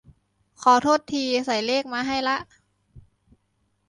ขอโทษที ใส่เลขมาให้ละ